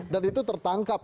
dan itu tertangkap